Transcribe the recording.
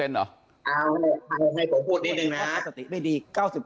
เอาให้ผมพูดนิดนึงนะสติไม่ดี๙๓